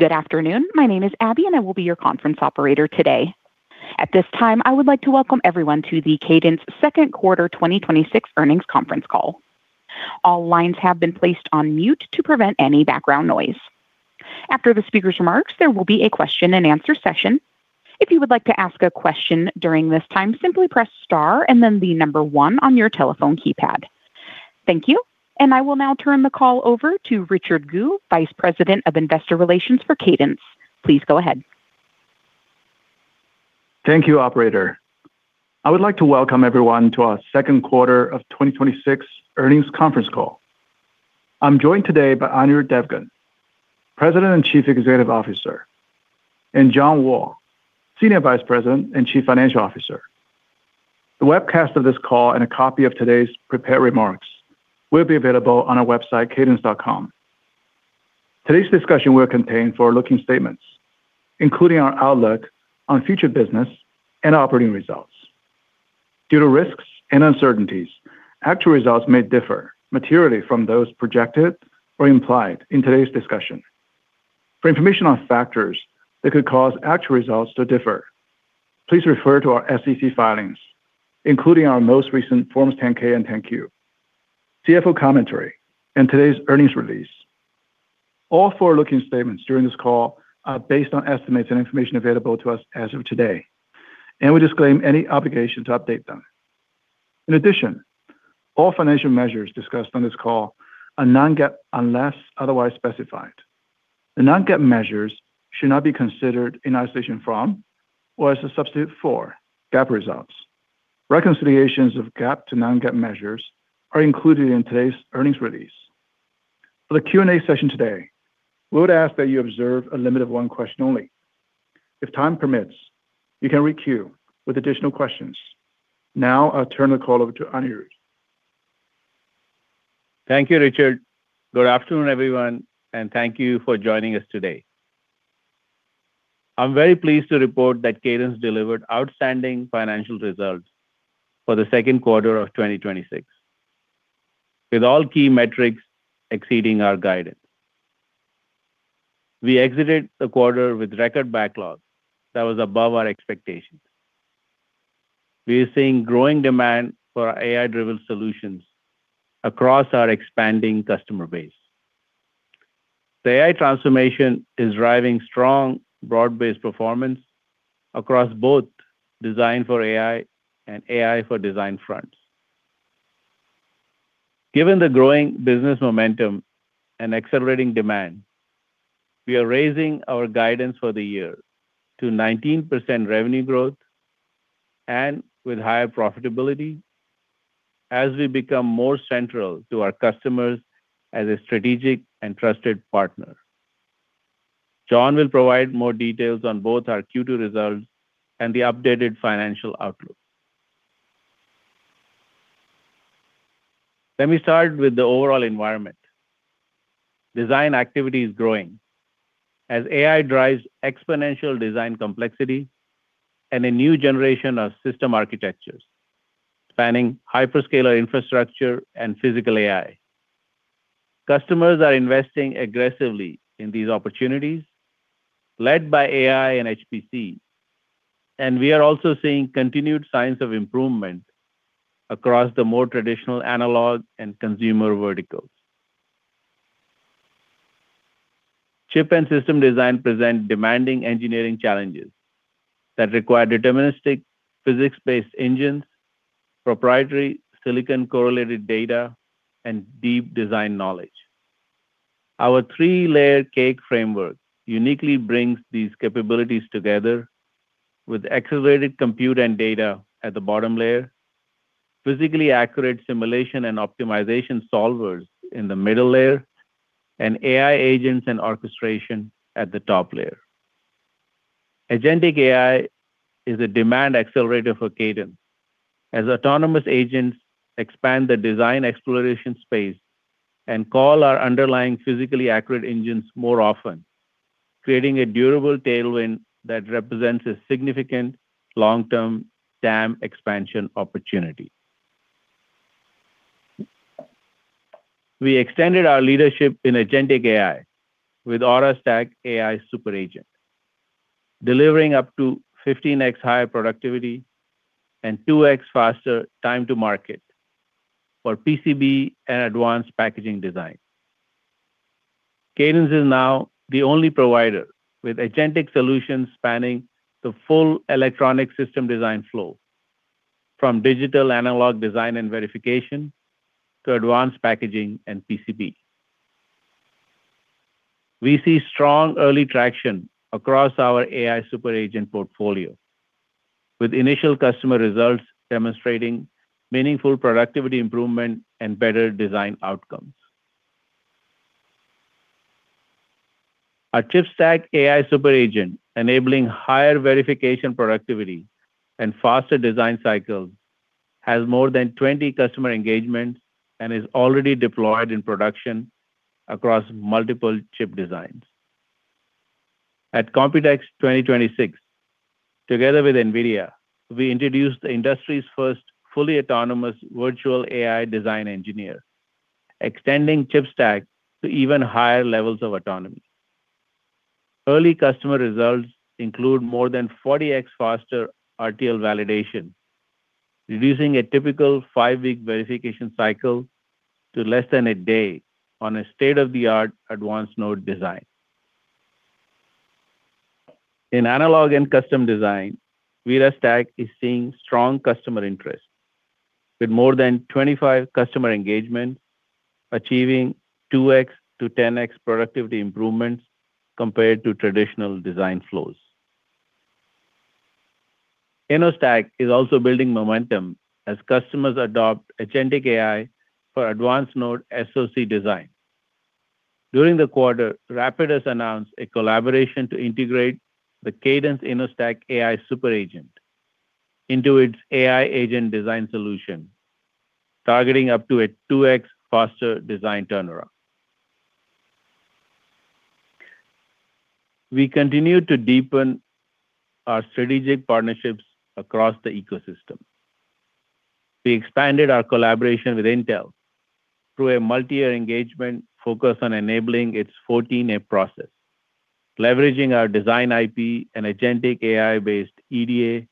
Good afternoon. My name is Abby. I will be your conference operator today. At this time, I would like to welcome everyone to the Cadence second quarter 2026 earnings conference call. All lines have been placed on mute to prevent any background noise. After the speaker's remarks, there will be a question and answer session. If you would like to ask a question during this time, simply press star and then the number one on your telephone keypad. Thank you. I will now turn the call over to Richard Gu, Vice President of Investor Relations for Cadence. Please go ahead. Thank you, operator. I would like to welcome everyone to our second quarter of 2026 earnings conference call. I'm joined today by Anirudh Devgan, President and Chief Executive Officer, and John Wall, Senior Vice President and Chief Financial Officer. The webcast of this call and a copy of today's prepared remarks will be available on our website, cadence.com. Today's discussion will contain forward-looking statements, including our outlook on future business and operating results. Due to risks and uncertainties, actual results may differ materially from those projected or implied in today's discussion. For information on factors that could cause actual results to differ, please refer to our SEC filings, including our most recent Forms 10-K and 10-Q, CFO commentary, and today's earnings release. All forward-looking statements during this call are based on estimates and information available to us as of today, and we disclaim any obligation to update them. In addition, all financial measures discussed on this call are non-GAAP, unless otherwise specified. The non-GAAP measures should not be considered in isolation from or as a substitute for GAAP results. Reconciliations of GAAP to non-GAAP measures are included in today's earnings release. For the Q&A session today, we would ask that you observe a limit of one question only. If time permits, you can re-queue with additional questions. Now I'll turn the call over to Anirudh. Thank you, Richard. Good afternoon, everyone, and thank you for joining us today. I'm very pleased to report that Cadence delivered outstanding financial results for the second quarter of 2026, with all key metrics exceeding our guidance. We exited the quarter with record backlogs that was above our expectations. We are seeing growing demand for our AI-driven solutions across our expanding customer base. The AI transformation is driving strong, broad-based performance across both design for AI and AI for design fronts. Given the growing business momentum and accelerating demand, we are raising our guidance for the year to 19% revenue growth and with higher profitability as we become more central to our customers as a strategic and trusted partner. John will provide more details on both our Q2 results and the updated financial outlook. Let me start with the overall environment. Design activity is growing as AI drives exponential design complexity and a new generation of system architectures spanning hyperscaler infrastructure and physical AI. Customers are investing aggressively in these opportunities, led by AI and HPC, and we are also seeing continued signs of improvement across the more traditional analog and consumer verticals. Chip and system design present demanding engineering challenges that require deterministic physics-based engines, proprietary silicon-correlated data, and deep design knowledge. Our three-layer cake framework uniquely brings these capabilities together with accelerated compute and data at the bottom layer, physically accurate simulation and optimization solvers in the middle layer, and AI agents and orchestration at the top layer. Agentic AI is a demand accelerator for Cadence as autonomous agents expand the design exploration space and call our underlying physically accurate engines more often, creating a durable tailwind that represents a significant long-term TAM expansion opportunity. We extended our leadership in agentic AI with AuraStack AI Super Agent, delivering up to 15x higher productivity and 2x faster time to market for PCB and advanced packaging design. Cadence is now the only provider with agentic solutions spanning the full electronic system design flow, from digital analog design and verification to advanced packaging and PCB. We see strong early traction across our AI Super Agent portfolio, with initial customer results demonstrating meaningful productivity improvement and better design outcomes. Our ChipStack AI Super Agent, enabling higher verification productivity and faster design cycles, has more than 20 customer engagements and is already deployed in production across multiple chip designs. At Computex 2026 together with NVIDIA, we introduced the industry's first fully autonomous virtual AI design engineer, extending ChipStack to even higher levels of autonomy. Early customer results include more than 40x faster RTL validation, reducing a typical five-week verification cycle to less than a day on a state-of-the-art advanced node design. In analog and custom design, ViraStack is seeing strong customer interest with more than 25 customer engagements, achieving 2x to 10x productivity improvements compared to traditional design flows. InnoStack is also building momentum as customers adopt agentic AI for advanced-node SoC design. During the quarter, Rapidus announced a collaboration to integrate the Cadence InnoStack AI Super Agent into its AI agent design solution, targeting up to a 2x faster design turnaround. We continue to deepen our strategic partnerships across the ecosystem. We expanded our collaboration with Intel through a multi-year engagement focused on enabling its 14A process, leveraging our design IP and agentic AI-based EDA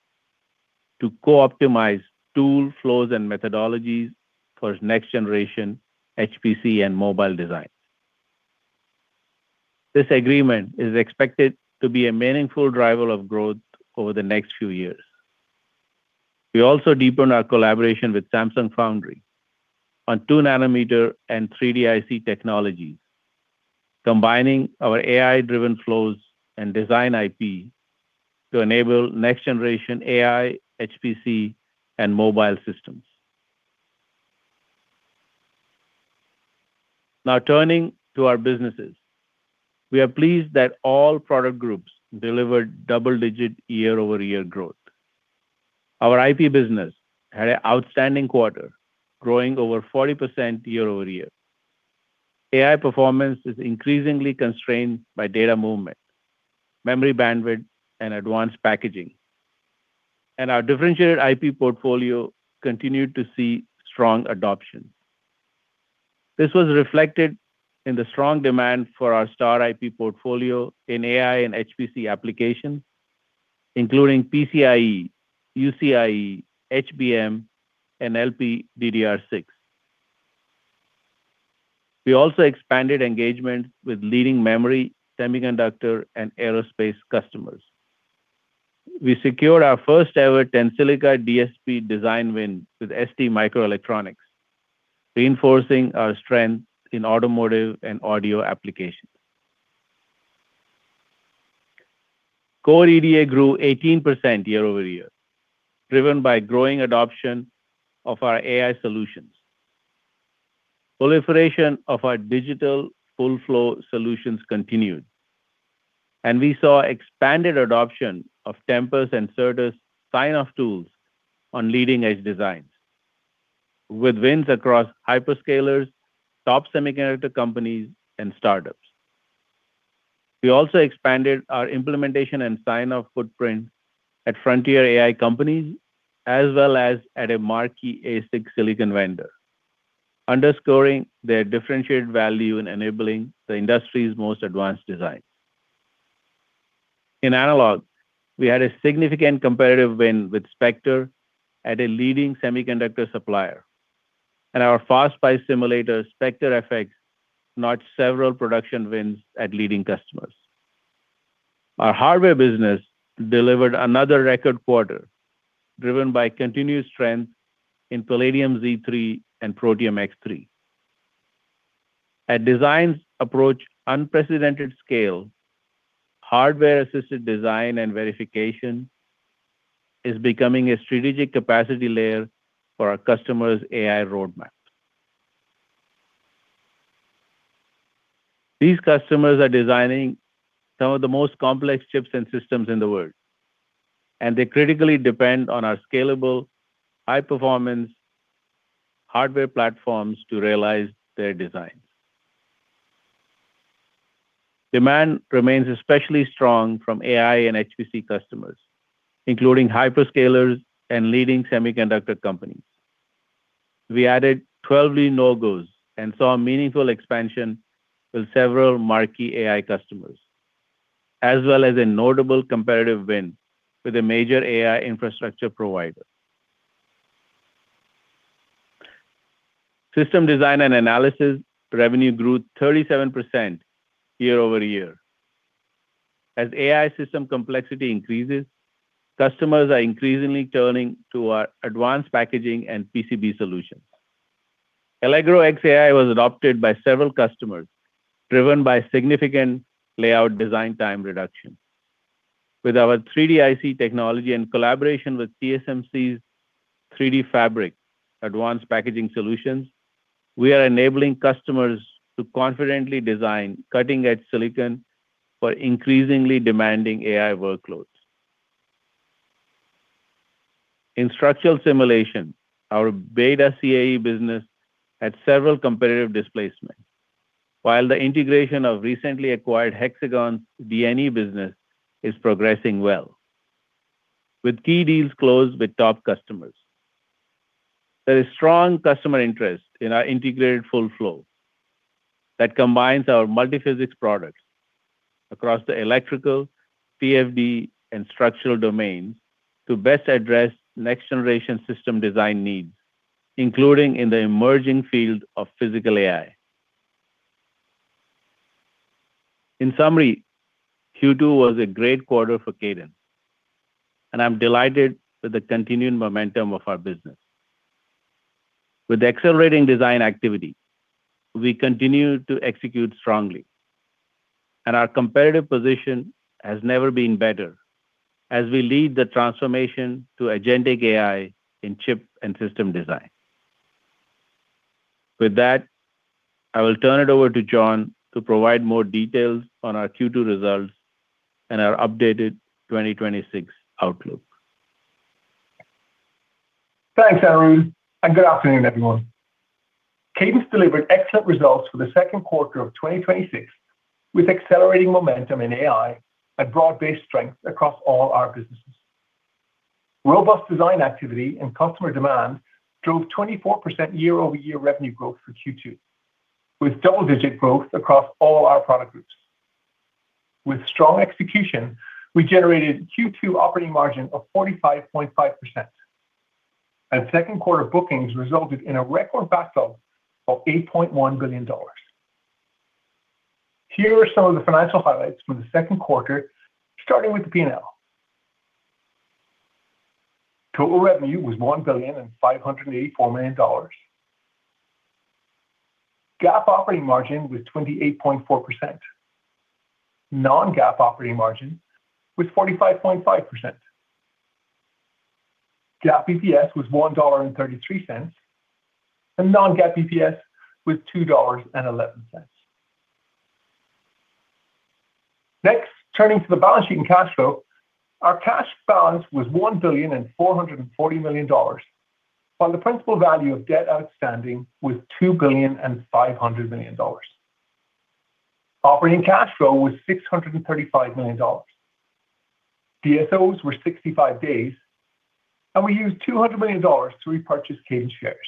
to co-optimize tool flows and methodologies for next-generation HPC and mobile design. This agreement is expected to be a meaningful driver of growth over the next few years. We also deepened our collaboration with Samsung Foundry on two nanometer and 3D IC technologies, combining our AI-driven flows and design IP to enable next-generation AI, HPC, and mobile systems. Now, turning to our businesses. We are pleased that all product groups delivered double-digit year-over-year growth. Our IP business had an outstanding quarter, growing over 40% year-over-year. AI performance is increasingly constrained by data movement, memory bandwidth, and advanced packaging, and our differentiated IP portfolio continued to see strong adoption. This was reflected in the strong demand for our star IP portfolio in AI and HPC applications, including PCIe, UCIe, HBM, and LPDDR6. We also expanded engagement with leading memory, semiconductor, and aerospace customers. We secured our first-ever Tensilica DSP design win with STMicroelectronics, reinforcing our strength in automotive and audio applications. Core EDA grew 18% year-over-year, driven by growing adoption of our AI solutions. Proliferation of our digital full-flow solutions continued. We saw expanded adoption of Tempus and Certus sign-off tools on leading-edge designs with wins across hyperscalers, top semiconductor companies, and startups. We also expanded our implementation and sign-off footprint at Frontier AI companies, as well as at a marquee ASIC silicon vendor, underscoring their differentiated value in enabling the industry's most advanced designs. In analog, we had a significant competitive win with Spectre at a leading semiconductor supplier. Our FastSPICE simulator, Spectre FX, notched several production wins at leading customers. Our hardware business delivered another record quarter, driven by continuous strength in Palladium Z3 and Protium X3. Designs approach unprecedented scale, hardware-assisted design and verification is becoming a strategic capacity layer for our customers' AI roadmaps. These customers are designing some of the most complex chips and systems in the world. They critically depend on our scalable, high-performance hardware platforms to realize their designs. Demand remains especially strong from AI and HPC customers, including hyperscalers and leading semiconductor companies. We added 12 new logos and saw a meaningful expansion with several marquee AI customers, as well as a notable competitive win with a major AI infrastructure provider. System design and analysis revenue grew 37% year-over-year. AI system complexity increases, customers are increasingly turning to our advanced packaging and PCB solutions. Allegro X AI was adopted by several customers, driven by significant layout design time reduction. With our 3D IC technology and collaboration with TSMC's 3DFabric advanced packaging solutions, we are enabling customers to confidently design cutting-edge silicon for increasingly demanding AI workloads. In structural simulation, our BETA CAE business had several competitive displacements, while the integration of recently acquired Hexagon's D&E business is progressing well, with key deals closed with top customers. There is strong customer interest in our integrated full flow that combines our multi-physics products across the electrical, CFD, and structural domains to best address next-generation system design needs, including in the emerging field of physical AI. In summary, Q2 was a great quarter for Cadence. I'm delighted with the continuing momentum of our business. With accelerating design activity, we continue to execute strongly. Our competitive position has never been better as we lead the transformation to agentic AI in chip and system design. With that, I will turn it over to John to provide more details on our Q2 results and our updated 2026 outlook. Thanks, Anirudh. Good afternoon, everyone. Cadence delivered excellent results for the second quarter of 2026 with accelerating momentum in AI and broad-based strength across all our businesses. Robust design activity and customer demand drove 24% year-over-year revenue growth for Q2, with double-digit growth across all our product groups. With strong execution, we generated Q2 operating margin of 45.5%. Second-quarter bookings resulted in a record backlog of $8.1 billion. Here are some of the financial highlights for the second quarter, starting with the P&L. Total revenue was $1,584 million. GAAP operating margin was 28.4%. Non-GAAP operating margin was 45.5%. GAAP EPS was $1.33. Non-GAAP EPS was $2.11. Turning to the balance sheet and cash flow. Our cash balance was $1,440 million, while the principal value of debt outstanding was $2,500 million. Operating cash flow was $635 million. DSOs were 65 days. We used $200 million to repurchase Cadence shares.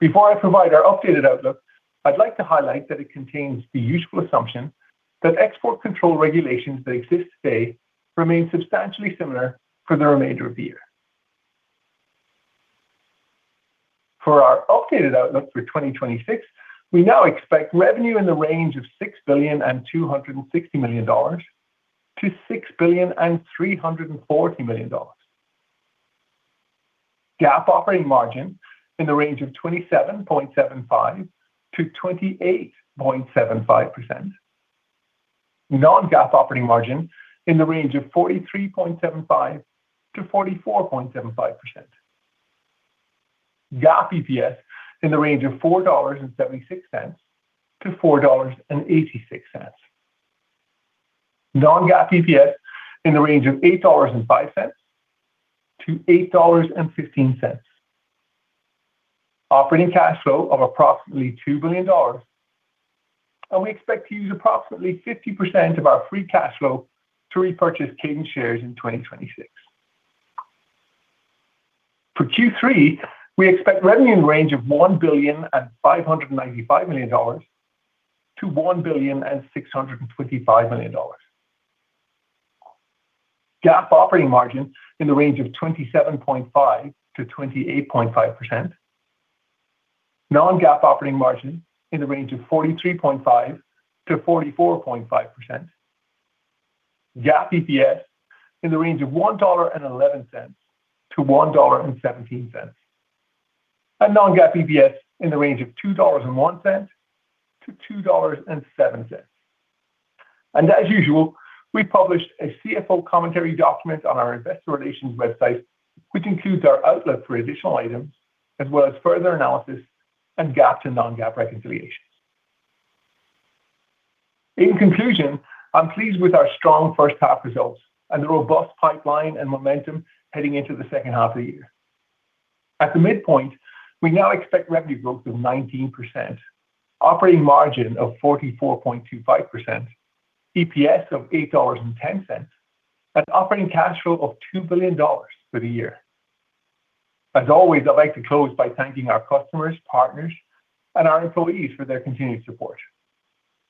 Before I provide our updated outlook, I'd like to highlight that it contains the useful assumption that export control regulations that exist today remain substantially similar for the remainder of the year. For our updated outlook for 2026, we now expect revenue in the range of $6,260 to 6,340 million. GAAP operating margin in the range of 27.75% to 28.75%. Non-GAAP operating margin in the range of 43.75% to 44.75%. GAAP EPS in the range of $4.76 to $4.86. Non-GAAP EPS in the range of $8.05 to $8.15. Operating cash flow of approximately $2 billion. We expect to use approximately 50% of our free cash flow to repurchase Cadence shares in 2026. For Q3, we expect revenue in the range of $1,595 to 1,625 million. GAAP operating margin in the range of 27.5% to 28.5%. Non-GAAP operating margin in the range of 43.5% to 44.5%. GAAP EPS in the range of $1.11 to $1.17. Non-GAAP EPS in the range of $2.01 to $2.07. As usual, we published a CFO commentary document on our investor relations website, which includes our outlook for additional items, as well as further analysis and GAAP and non-GAAP reconciliations. In conclusion, I'm pleased with our strong first half results and the robust pipeline and momentum heading into the second half of the year. At the midpoint, we now expect revenue growth of 19%, operating margin of 44.25%, EPS of $8.10, and operating cash flow of $2 billion for the year. As always, I'd like to close by thanking our customers, partners, and our employees for their continued support.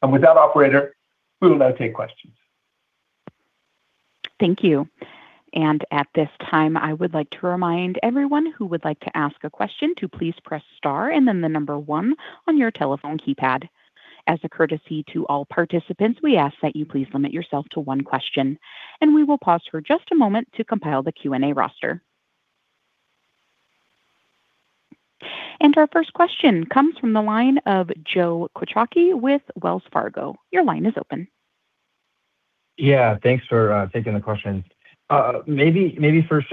With that, operator, we will now take questions. Thank you. At this time, I would like to remind everyone who would like to ask a question to please press star 1 on your telephone keypad. As a courtesy to all participants, we ask that you please limit yourself to one question. We will pause for just a moment to compile the Q&A roster. Our first question comes from the line of Joe Quatrochi with Wells Fargo. Your line is open. Thanks for taking the question. Maybe first,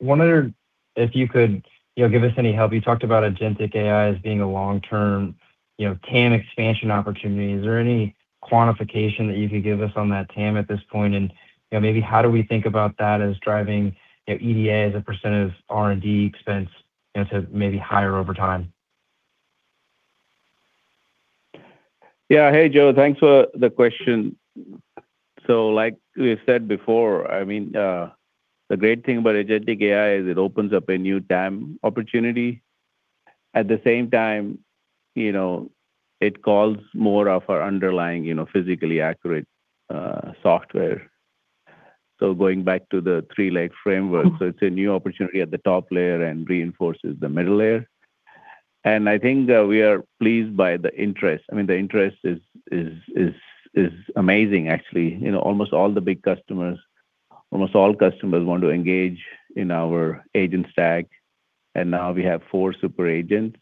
wonder if you could give us any help. You talked about agentic AI as being a long-term TAM expansion opportunity. Is there any quantification that you could give us on that TAM at this point? Maybe how do we think about that as driving EDA as a % of R&D expense into maybe higher over time? Hey, Joe. Thanks for the question. Like we said before, the great thing about agentic AI is it opens up a new TAM opportunity. At the same time, it calls more of our underlying physically accurate software. Going back to the three-leg framework, it's a new opportunity at the top layer and reinforces the middle layer. I think we are pleased by the interest. The interest is amazing, actually. Almost all the big customers, almost all customers want to engage in our agent stack, and now we have four super agents.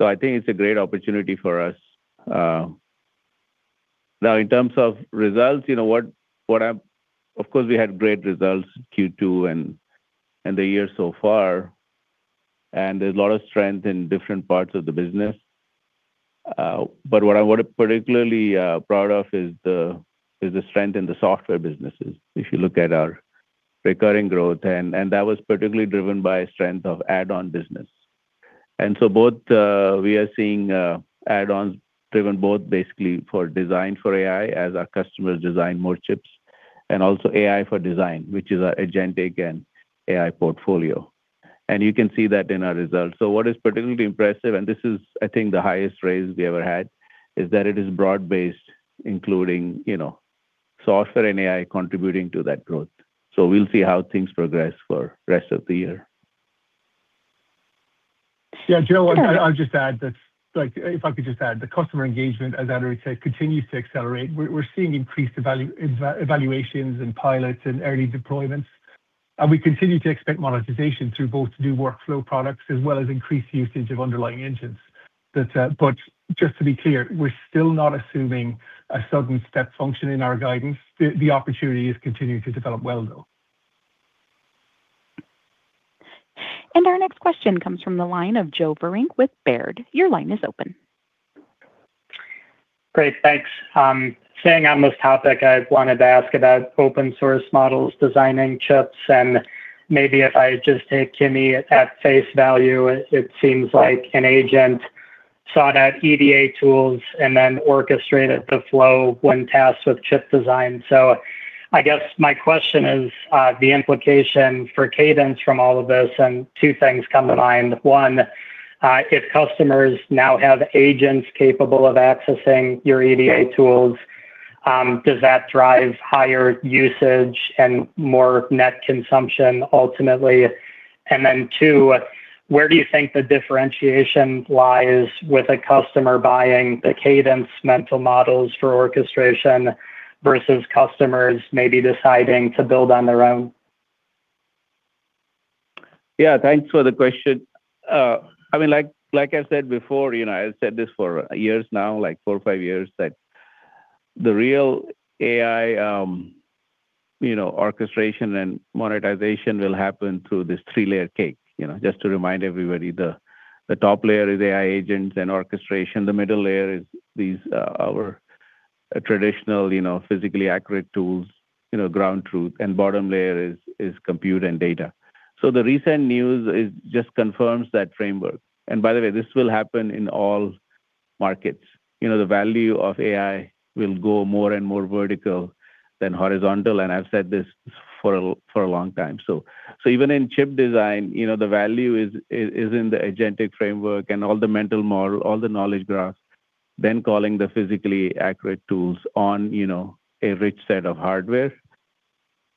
I think it's a great opportunity for us. Now, in terms of results, of course, we had great results Q2 and the year so far, and there's a lot of strength in different parts of the business. What I'm particularly proud of is the strength in the software businesses, if you look at our recurring growth. That was particularly driven by strength of add-on business. Both, we are seeing add-ons driven both basically for design for AI as our customers design more chips, and also AI for design, which is our agentic and AI portfolio. You can see that in our results. What is particularly impressive, and this is, I think, the highest raise we ever had, is that it is broad-based, including software and AI contributing to that growth. We'll see how things progress for rest of the year. Joe, if I could just add, the customer engagement, as Anirudh said, continues to accelerate. We're seeing increased evaluations in pilots and early deployments, and we continue to expect monetization through both the new workflow products as well as increased usage of underlying engines. Just to be clear, we're still not assuming a sudden step function in our guidance. The opportunity is continuing to develop well, though. Our next question comes from the line of Joe Vruwink with Baird. Your line is open. Great. Thanks. Staying on this topic, I wanted to ask about open source models designing chips, maybe if I just take Kimi at face value, it seems like an agent sought out EDA tools and then orchestrated the flow when tasked with chip design. I guess my question is, the implication for Cadence from all of this, two things come to mind. One, if customers now have agents capable of accessing your EDA tools, does that drive higher usage and more net consumption ultimately? Then two, where do you think the differentiation lies with a customer buying the Cadence mental models for orchestration versus customers maybe deciding to build on their own? Yeah, thanks for the question. Like I said before, I've said this for years now, like four or five years, that the real AI orchestration and monetization will happen through this three-layer cake. Just to remind everybody, the top layer is AI agents and orchestration, the middle layer is our traditional physically accurate tools, ground truth, and bottom layer is compute and data. The recent news just confirms that framework. This will happen in all markets. The value of AI will go more and more vertical than horizontal, and I've said this for a long time. Even in chip design, the value is in the agentic framework and all the mental model, all the knowledge graphs, then calling the physically accurate tools on a rich set of hardware.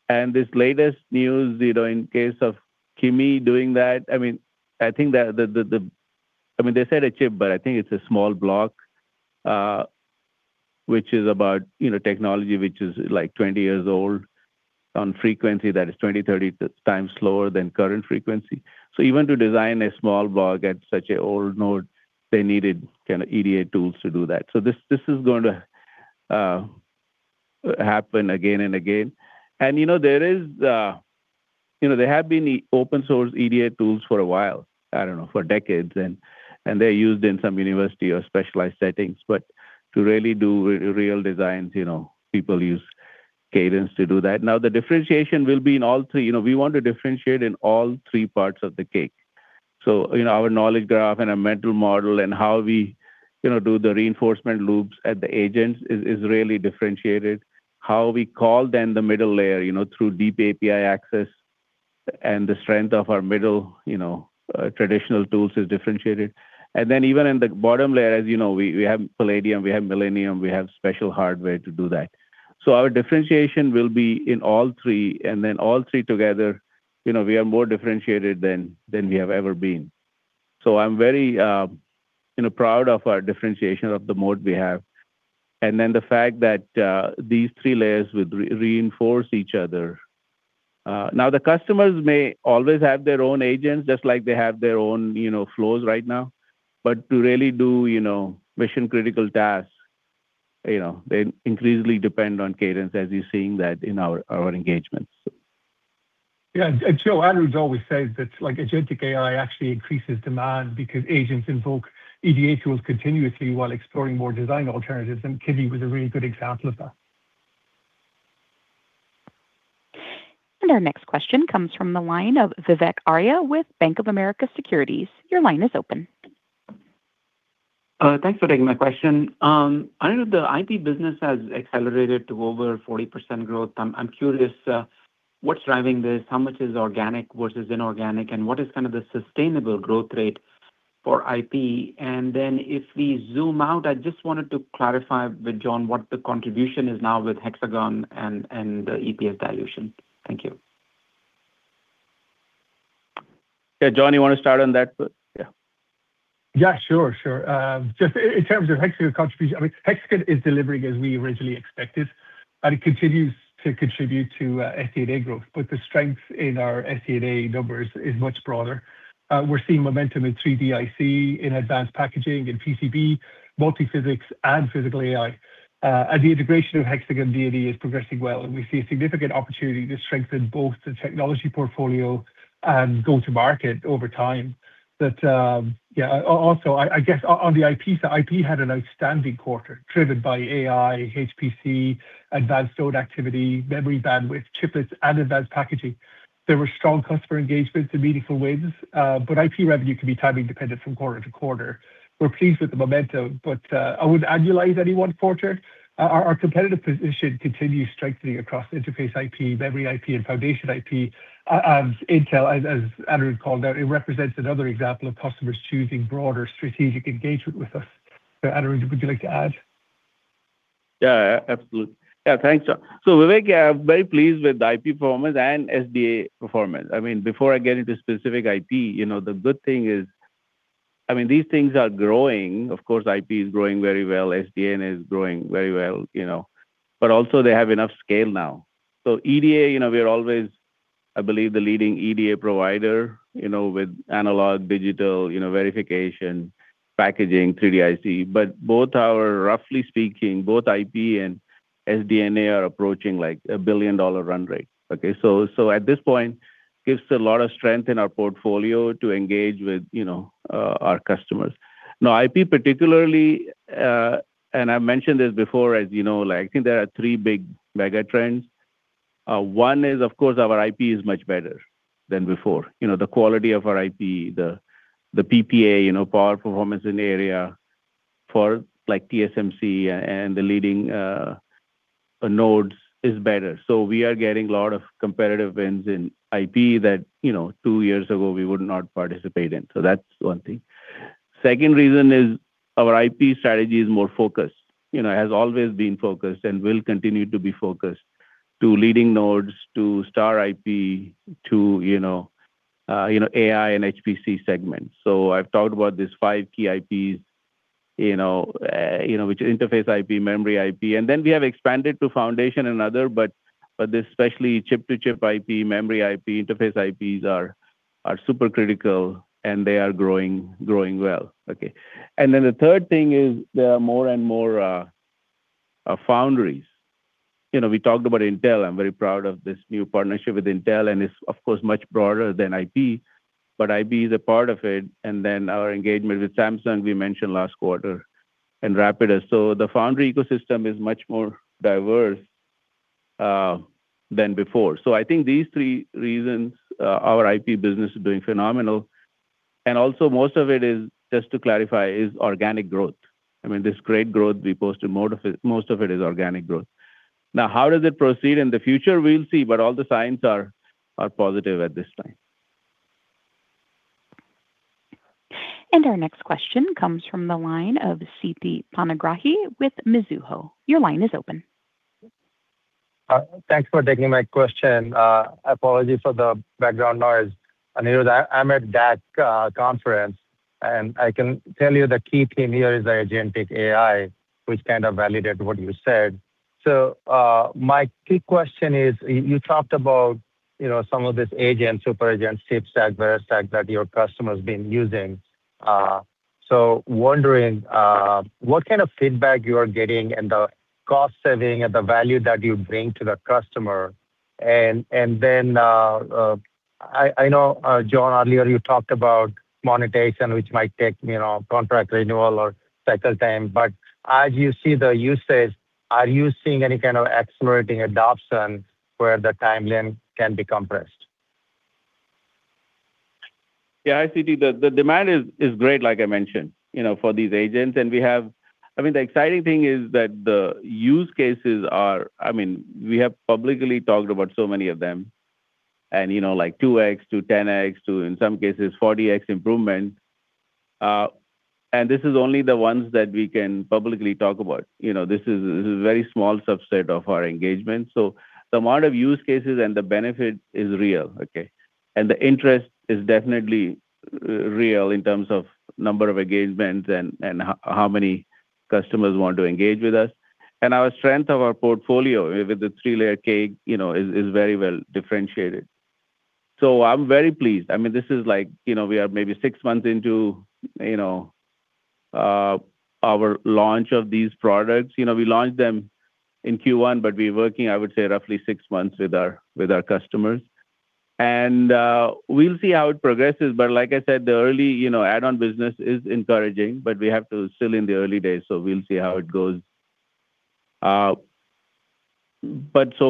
This latest news, in case of Kimi doing that, they said a chip, but I think it's a small block, which is about technology, which is 20 years old on frequency, that is 20, 30 times slower than current frequency. Even to design a small bug at such an old node, they needed EDA tools to do that. This is going to happen again and again. There have been open source EDA tools for a while, I don't know, for decades, and they're used in some university or specialized settings. To really do real designs, people use Cadence to do that. The differentiation will be in all three. We want to differentiate in all three parts of the cake. Our knowledge graph and our mental model and how we do the reinforcement loops at the agents is really differentiated. How we call then the middle layer, through deep API access and the strength of our middle traditional tools is differentiated. Even in the bottom layer, as you know, we have Palladium, we have Millennium, we have special hardware to do that. Our differentiation will be in all three, and then all three together, we are more differentiated than we have ever been. I'm very proud of our differentiation of the mode we have, and then the fact that these three layers will reinforce each other. The customers may always have their own agents, just like they have their own flows right now. To really do mission-critical tasks, they increasingly depend on Cadence as you're seeing that in our engagements. Yeah. Joe, Anirudh always says that agentic AI actually increases demand because agents invoke EDA tools continuously while exploring more design alternatives, and Kimi was a really good example of that. Our next question comes from the line of Vivek Arya with Bank of America Securities. Your line is open. Thanks for taking my question. I know the IP business has accelerated to over 40% growth. I'm curious, what's driving this? How much is organic versus inorganic, and what is the sustainable growth rate for IP? If we zoom out, I just wanted to clarify with John what the contribution is now with Hexagon and the EPS dilution. Thank you. John, you want to start on that? Sure. Just in terms of Hexagon contribution, Hexagon is delivering as we originally expected, and it continues to contribute to SDA growth, the strength in our SDA numbers is much broader. We're seeing momentum in 3D IC, in advanced packaging, in PCB, multi-physics, and physical AI. The integration of Hexagon D&E is progressing well, and we see a significant opportunity to strengthen both the technology portfolio and go to market over time. Also, I guess on the IP side, IP had an outstanding quarter driven by AI, HPC, advanced node activity, memory bandwidth, chiplets, and advanced packaging. There were strong customer engagements and meaningful wins, IP revenue can be timing dependent from quarter to quarter. We're pleased with the momentum, I wouldn't annualize any one quarter. Our competitive position continues strengthening across interface IP, memory IP, and foundation IP. As Intel, as Anirudh called out, it represents another example of customers choosing broader strategic engagement with us. Anirudh, would you like to add? Absolutely. Thanks, John. Vivek, very pleased with the IP performance and SDA performance. Before I get into specific IP, the good thing is these things are growing. Of course, IP is growing very well. SDA is growing very well. Also they have enough scale now. EDA, we are always, I believe, the leading EDA provider, with analog, digital, verification, packaging, 3D IC. Roughly speaking, both IP and SDA are approaching a billion-dollar run rate. At this point, gives a lot of strength in our portfolio to engage with our customers. Now, IP particularly, I've mentioned this before, I think there are three big mega trends. One is, of course, our IP is much better than before. The quality of our IP, the PPA, power, performance in the area for TSMC and the leading nodes is better. We are getting a lot of competitive wins in IP that two years ago we would not participate in. That's one thing. Second reason is our IP strategy is more focused. Our IP strategy has always been focused and will continue to be focused to leading nodes, to star IP, to AI and HPC segments. I've talked about these five key IPs, which interface IP, memory IP. We have expanded to foundation and other, but this especially chip-to-chip IP, memory IP, interface IPs are super critical and they are growing well. Okay. The third thing is there are more and more foundries. We talked about Intel. I'm very proud of this new partnership with Intel, and it's, of course, much broader than IP, but IP is a part of it. Our engagement with Samsung, we mentioned last quarter and Rapidus. The foundry ecosystem is much more diverse than before. I think these three reasons, our IP business is doing phenomenal. Most of it is, just to clarify, is organic growth. This great growth we posted, most of it is organic growth. Now, how does it proceed in the future? We'll see, but all the signs are positive at this time. Our next question comes from the line of Siti Panigrahi with Mizuho. Your line is open. Thanks for taking my question. Apologies for the background noise. Anirudh, I'm at DAC conference, and I can tell you the key theme here is agentic AI, which kind of validate what you said. My key question is, you talked about some of this agent, super agent, ChipStack, ViraStack that your customer's been using. Wondering, what kind of feedback you are getting and the cost saving and the value that you bring to the customer. I know, John, earlier you talked about monetization, which might take contract renewal or cycle time. As you see the usage, are you seeing any kind of accelerating adoption where the timeline can be compressed? Siti, the demand is great, like I mentioned, for these agents. The exciting thing is that the use cases are, we have publicly talked about so many of them and 2x to 10x to, in some cases, 40x improvement. This is only the ones that we can publicly talk about. This is a very small subset of our engagement. The amount of use cases and the benefit is real, okay? The interest is definitely real in terms of number of engagements and how many customers want to engage with us. Our strength of our portfolio with the three-layer cake is very well differentiated. I'm very pleased. We are maybe six months into our launch of these products. We launched them in Q1, but we're working, I would say, roughly six months with our customers. We'll see how it progresses. Like I said, the early add-on business is encouraging, but we have to still in the early days, so we'll see how it goes. So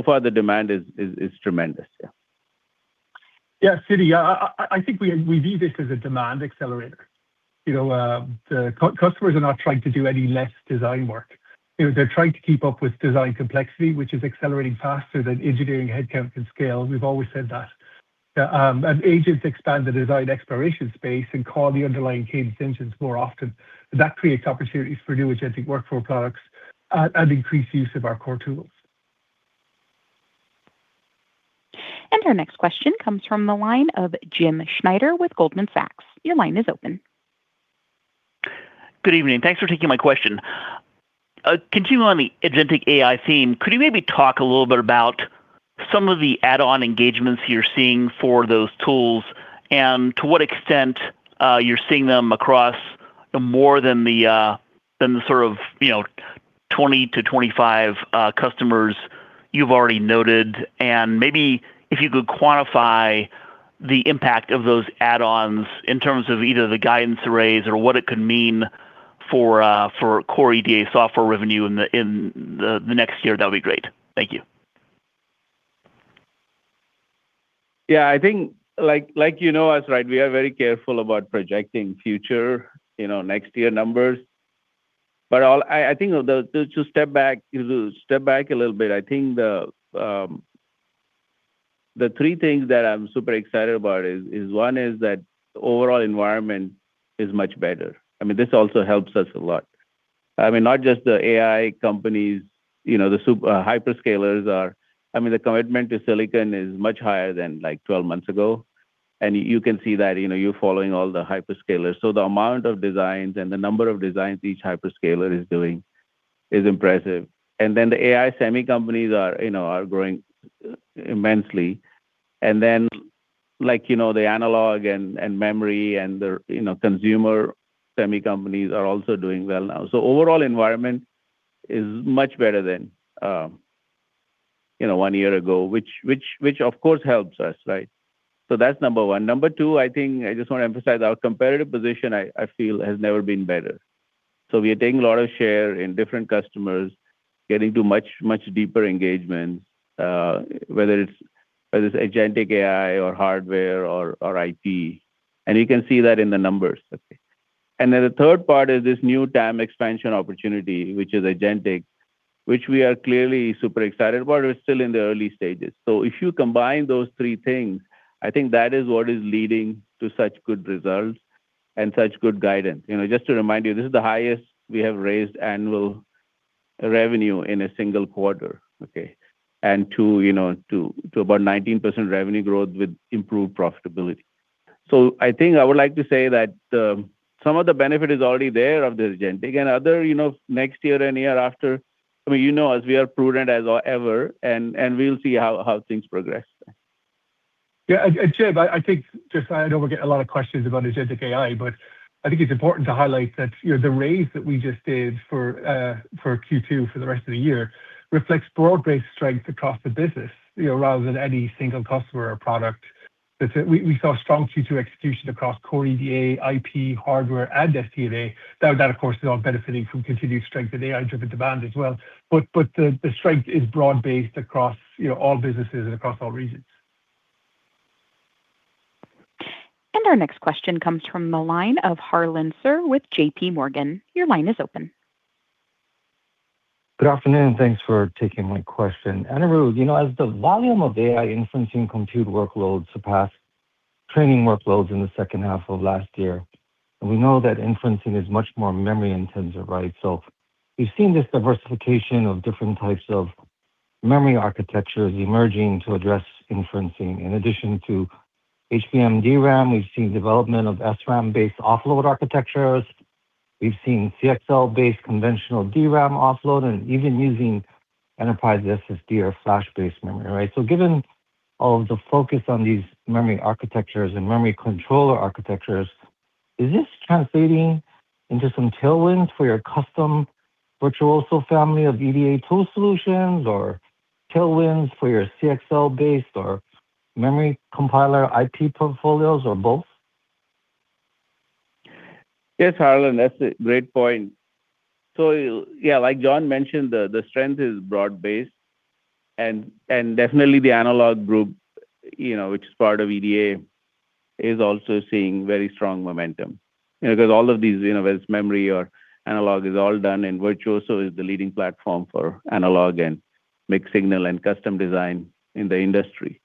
far, the demand is tremendous. Siti, I think we view this as a demand accelerator. The customers are not trying to do any less design work. They're trying to keep up with design complexity, which is accelerating faster than engineering headcount can scale. We've always said that. As agents expand the design exploration space and call the underlying Cadence engines more often, that creates opportunities for new agentic workflow products and increased use of our core tools. Our next question comes from the line of Jim Schneider with Goldman Sachs. Your line is open. Good evening. Thanks for taking my question. Continuing on the agentic AI theme, could you maybe talk a little bit about some of the add-on engagements you're seeing for those tools and to what extent you're seeing them across more than the sort of 20 to 25 customers you've already noted? If you could quantify the impact of those add-ons in terms of either the guidance arrays or what it could mean for core EDA software revenue in the next year, that'd be great. Thank you. I think, as right, we are very careful about projecting future, next year numbers. I think to step back a little bit, I think the three things that I'm super excited about is, one is that the overall environment is much better. This also helps us a lot. Not just the AI companies, the hyperscalers, the commitment to silicon is much higher than 12 months ago, and you can see that, you're following all the hyperscalers. The amount of designs and the number of designs each hyperscaler is doing is impressive. The AI semi companies are growing immensely. The analog and memory and the consumer semi companies are also doing well now. Overall environment is much better than one year ago, which of course helps us, right? That's number one. Number two, I think I just want to emphasize our competitive position, I feel, has never been better. We are taking a lot of share in different customers, getting to much deeper engagement, whether it's agentic AI or hardware or IP, and you can see that in the numbers. Okay. The third part is this new TAM expansion opportunity, which is agentic, which we are clearly super excited about. We're still in the early stages. If you combine those three things, I think that is what is leading to such good results and such good guidance. Just to remind you, this is the highest we have raised annual revenue in a single quarter. Okay. To about 19% revenue growth with improved profitability. I think I would like to say that some of the benefit is already there of this agentic and other, next year and year after, as we are prudent as ever, we'll see how things progress. Jim, I know we get a lot of questions about agentic AI, I think it's important to highlight that the raise that we just did for Q2 for the rest of the year reflects broad-based strength across the business rather than any single customer or product. We saw strong Q2 execution across core EDA, IP, hardware, and SDA. Of course, is all benefiting from continued strength in AI-driven demand as well. The strength is broad-based across all businesses and across all regions. Our next question comes from the line of Harlan Sur with JP Morgan. Your line is open. Good afternoon. Thanks for taking my question. Anirudh, as the volume of AI inferencing compute workloads surpassed training workloads in the second half of last year, we know that inferencing is much more memory-intensive, right? We've seen this diversification of different types of memory architectures emerging to address inferencing. In addition to HBM DRAM, we've seen development of SRAM-based offload architectures. We've seen CXL-based conventional DRAM offload, even using enterprise SSD or flash-based memory, right? Given all of the focus on these memory architectures and memory controller architectures, is this translating into some tailwinds for your custom Virtuoso family of EDA tool solutions or tailwinds for your CXL-based or memory compiler IP portfolios, or both? Yes, Harlan, that's a great point. Like John mentioned, the strength is broad-based, and definitely the analog group, which is part of EDA, is also seeing very strong momentum. All of these, whether it's memory or analog, is all done, and Virtuoso is the leading platform for analog and mixed-signal and custom design in the industry.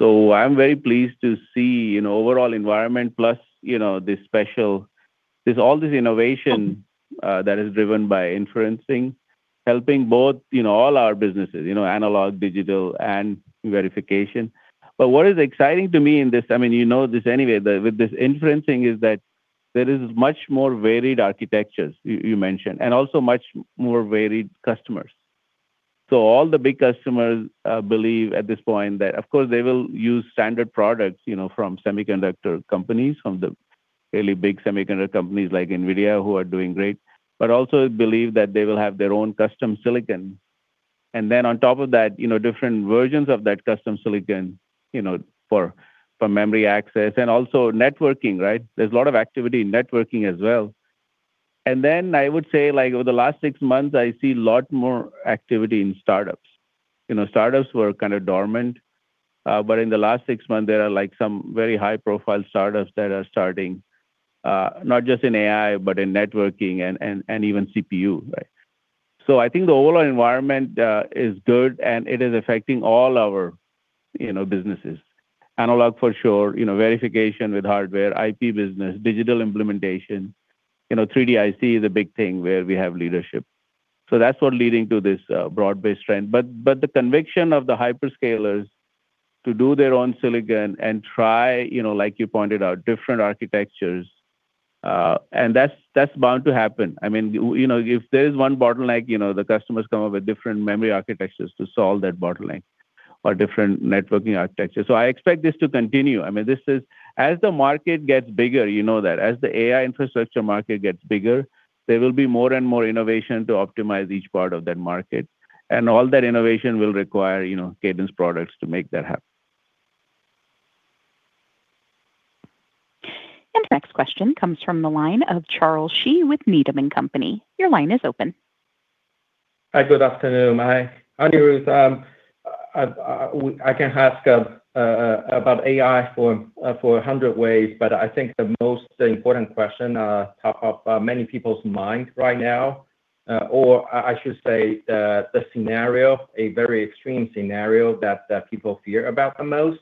I'm very pleased to see, overall environment plus, this special, there's all this innovation that is driven by inferencing, helping all our businesses, analog, digital, and verification. What is exciting to me in this, you know this anyway, with this inferencing is that there is much more varied architectures you mentioned, and also much more varied customers. All the big customers believe at this point that, of course, they will use standard products from semiconductor companies, from the really big semiconductor companies like NVIDIA, who are doing great, but also believe that they will have their own custom silicon. On top of that, different versions of that custom silicon for memory access and also networking, right? There's a lot of activity in networking as well. I would say, over the last six months, I see a lot more activity in startups. Startups were kind of dormant. In the last six months, there are some very high-profile startups that are starting, not just in AI, but in networking and even CPU, right? I think the overall environment is good, and it is affecting all our businesses. Analog for sure, verification with hardware, IP business, digital implementation, 3D IC is a big thing where we have leadership. That's what leading to this broad-based trend. The conviction of the hyperscalers to do their own silicon and try, like you pointed out, different architectures, and that's bound to happen. If there's one bottleneck, the customers come up with different memory architectures to solve that bottleneck or different networking architecture. I expect this to continue. As the market gets bigger, you know that. As the AI infrastructure market gets bigger, there will be more and more innovation to optimize each part of that market. All that innovation will require Cadence products to make that happen. The next question comes from the line of Charles Shi with Needham & Company. Your line is open. Hi, good afternoon. Hi, Anirudh. I can ask about AI for 100 ways, but I think the most important question top of many people's mind right now, or I should say the scenario, a very extreme scenario that people fear about the most,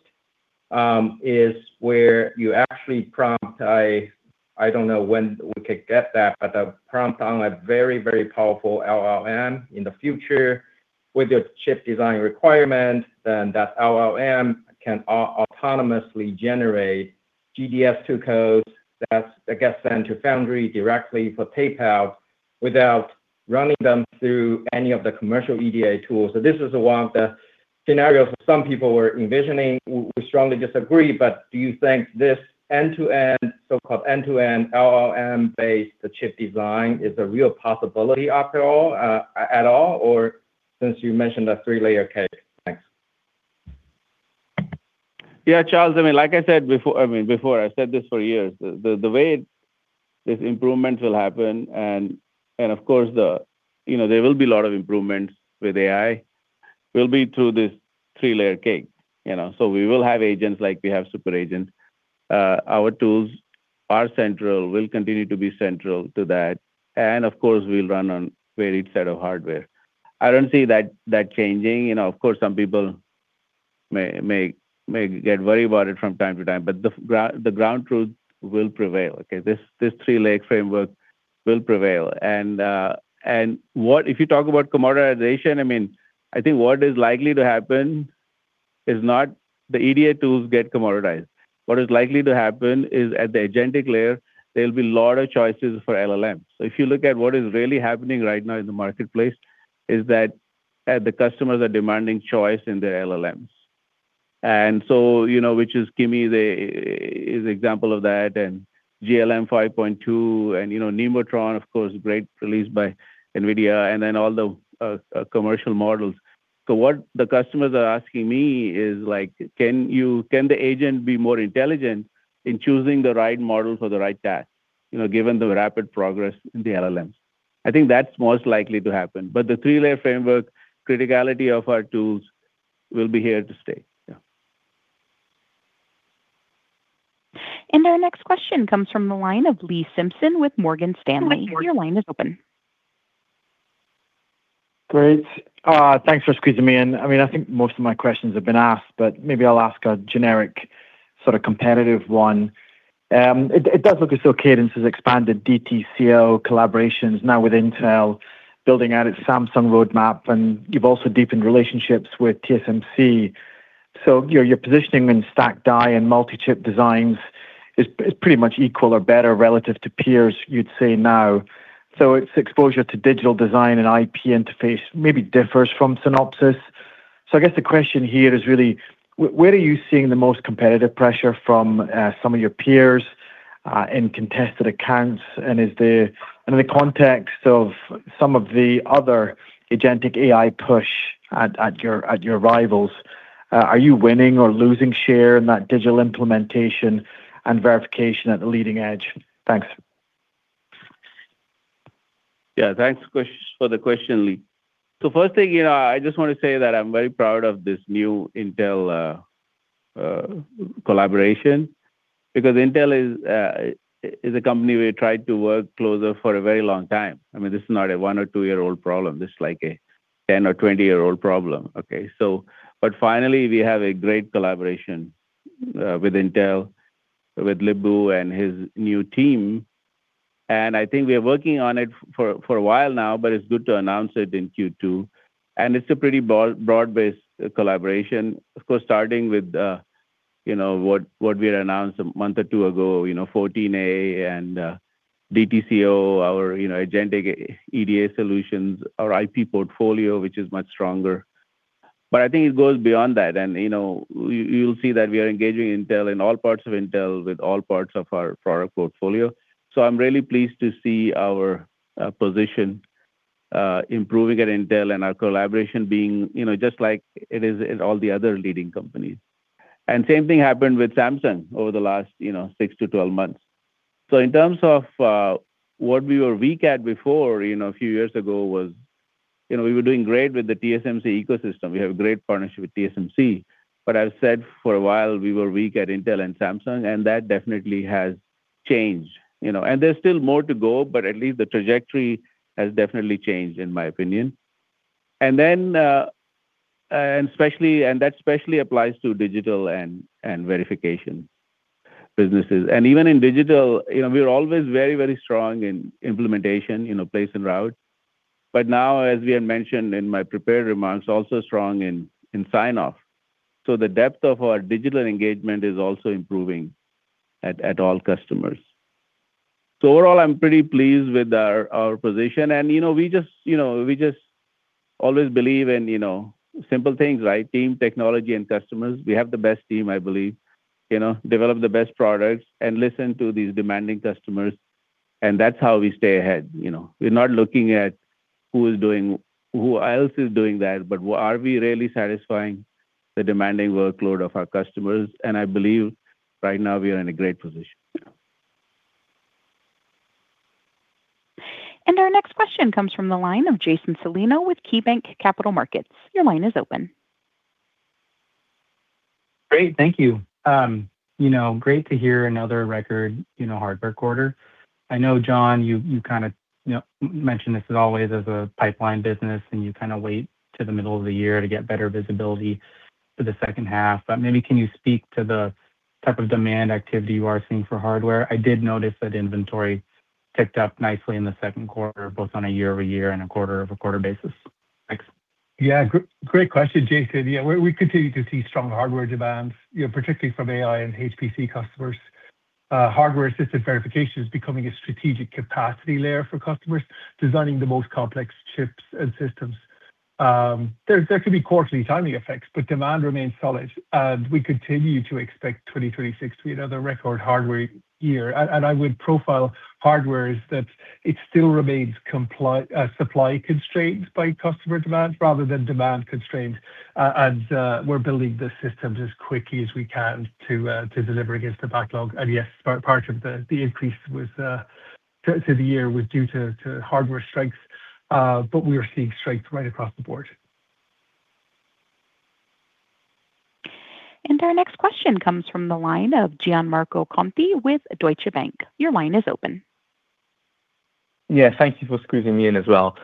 is where you actually prompt, I don't know when we could get that, but a prompt on a very, very powerful LLM in the future with your chip design requirement, then that LLM can autonomously generate GDS II codes that gets sent to foundry directly for tape-out without running them through any of the commercial EDA tools. This is one of the scenarios some people were envisioning. We strongly disagree, do you think this so-called end-to-end LLM-based chip design is a real possibility at all? Or since you mentioned a three-layer cake. Thanks. Yeah, Charles, like I said before, I've said this for years. The way this improvement will happen, and of course, there will be a lot of improvements with AI, will be through this three-layer cake. We will have agents like we have super agents. Our tools are central, will continue to be central to that. We'll run on varied set of hardware. I don't see that changing. Some people may get worried about it from time to time. The ground truth will prevail. Okay. This three-layer framework will prevail. If you talk about commoditization, I think what is likely to happen is not the EDA tools get commoditized. What is likely to happen is at the agentic layer, there'll be a lot of choices for LLMs. If you look at what is really happening right now in the marketplace, is that the customers are demanding choice in their LLMs. Which is, give me the example of that, GLM-5.2 and Nemotron, of course, great release by NVIDIA, all the commercial models. What the customers are asking me is, "Can the agent be more intelligent in choosing the right model for the right task given the rapid progress in the LLMs?" I think that's most likely to happen. The three-layer framework criticality of our tools will be here to stay. Yeah. Our next question comes from the line of Lee Simpson with Morgan Stanley. Your line is open. Great. Thanks for squeezing me in. I think most of my questions have been asked. Maybe I'll ask a generic sort of competitive one. It does look as though Cadence has expanded DTCO collaborations now with Intel, building out its Samsung roadmap. You've also deepened relationships with TSMC. Your positioning in stacked die and multi-chip designs is pretty much equal or better relative to peers you'd say now. Its exposure to digital design and IP interface maybe differs from Synopsys. I guess the question here is really, where are you seeing the most competitive pressure from some of your peers, in contested accounts, in the context of some of the other agentic AI push at your rivals, are you winning or losing share in that digital implementation and verification at the leading edge? Thanks. Thanks for the question, Lee. First thing, I just want to say that I'm very proud of this new Intel collaboration because Intel is a company we tried to work closer for a very long time. This is not a one or two-year-old problem. This is like a 10 or 20-year-old problem. Okay. Finally, we have a great collaboration with Intel, with Lip-Bu and his new team, and I think we are working on it for a while now, but it's good to announce it in Q2. It's a pretty broad-based collaboration. Of course, starting with what we had announced a month or two ago, 14A and DTCO, our agentic EDA solutions, our IP portfolio, which is much stronger. I think it goes beyond that. You'll see that we are engaging Intel in all parts of Intel with all parts of our product portfolio. I'm really pleased to see our position improving at Intel and our collaboration being just like it is in all the other leading companies. Same thing happened with Samsung over the last six to 12 months. In terms of what we were weak at before, a few years ago was we were doing great with the TSMC ecosystem. We have a great partnership with TSMC. I've said for a while we were weak at Intel and Samsung, and that definitely has changed. There's still more to go, but at least the trajectory has definitely changed in my opinion. That specially applies to digital and verification businesses. Even in digital, we are always very, very strong in implementation, place and route. Now, as we had mentioned in my prepared remarks, also strong in sign-off. The depth of our digital engagement is also improving at all customers. Overall, I'm pretty pleased with our position, and we just always believe in simple things, right? Team, technology, and customers. We have the best team, I believe, develop the best products, and listen to these demanding customers, and that's how we stay ahead. We're not looking at who else is doing that, but are we really satisfying the demanding workload of our customers? I believe right now we are in a great position. Our next question comes from the line of Jason Celino with KeyBanc Capital Markets. Your line is open. Great. Thank you. Great to hear another record hardware quarter. I know, John, you mentioned this is always as a pipeline business, and you wait to the middle of the year to get better visibility for the second half. Maybe can you speak to the type of demand activity you are seeing for hardware? I did notice that inventory ticked up nicely in the second quarter, both on a year-over-year and a quarter-over-quarter basis. Thanks. Yeah, great question, Jason. Yeah. We continue to see strong hardware demand, particularly from AI and HPC customers. Hardware-assisted verification is becoming a strategic capacity layer for customers designing the most complex chips and systems. There could be quarterly timing effects, demand remains solid, and we continue to expect 2026 to be another record hardware year. I would profile hardware as that it still remains supply-constrained by customer demand rather than demand-constrained. We're building the systems as quickly as we can to deliver against the backlog. Yes, part of the increase through the year was due to hardware strengths, but we are seeing strengths right across the board. Our next question comes from the line of Gianmarco Conti with Deutsche Bank. Your line is open. Yeah. Thank you for squeezing me in as well.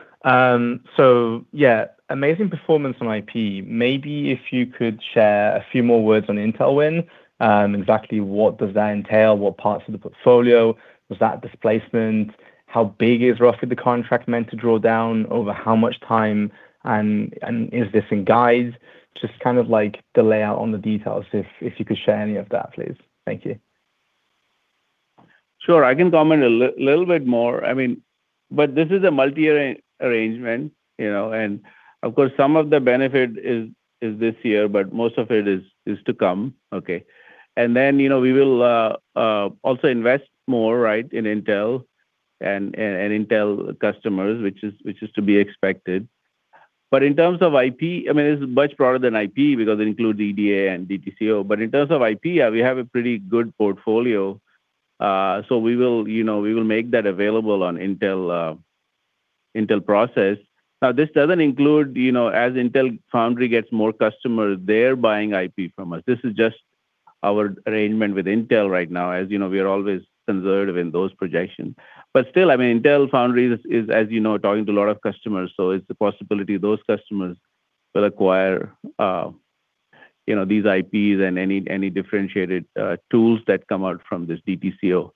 Yeah, amazing performance on IP. Maybe if you could share a few more words on Intel win, exactly what does that entail? What parts of the portfolio? Was that displacement? How big is roughly the contract meant to draw down over how much time? Is this in guides? Just the layout on the details, if you could share any of that, please. Thank you. Sure. I can comment a little bit more. This is a multi-year arrangement, and of course, some of the benefit is this year, but most of it is to come. We will also invest more in Intel and Intel customers, which is to be expected. In terms of IP, it's much broader than IP because it includes EDA and DTCO. In terms of IP, we have a pretty good portfolio. We will make that available on Intel process. This doesn't include as Intel Foundry gets more customers, they're buying IP from us. This is just our arrangement with Intel right now. As you know, we are always conservative in those projections. Intel Foundry is, as you know, talking to a lot of customers, it's a possibility those customers will acquire these IPs and any differentiated tools that come out from this DTCO.